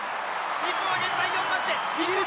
日本は現在４番手！